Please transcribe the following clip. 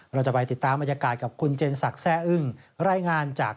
เราจะไปติดตามบรรยากาศกับคุณเจนสักแซ่อึ้ง